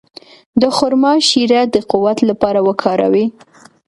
د خرما شیره د قوت لپاره وکاروئ